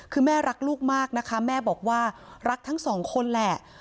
คือแม่รักลูกมากนะคะแม่บอกว่ารักทั้งสองคนแหละ